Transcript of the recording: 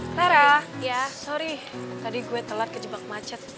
kelara sorry tadi gue telat ke jebak macet